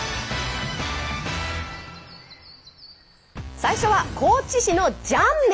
最初は高知市のジャン麺！